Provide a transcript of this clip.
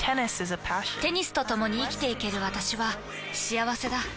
テニスとともに生きていける私は幸せだ。